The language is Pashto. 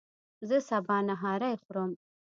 زه سبا نهاری خورم